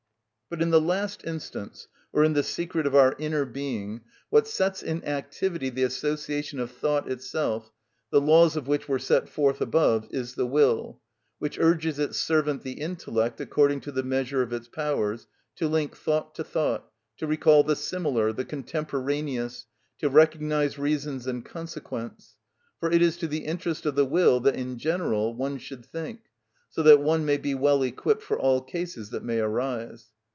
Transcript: But in the last instance, or in the secret of our inner being, what sets in activity the association of thought itself, the laws of which were set forth above, is the will, which urges its servant the intellect, according to the measure of its powers, to link thought to thought, to recall the similar, the contemporaneous, to recognise reasons and consequents. For it is to the interest of the will that, in general, one should think, so that one may be well equipped for all cases that may arise.